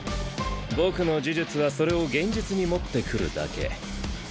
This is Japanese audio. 僕の呪術はそれを現実に持ってくるだけ。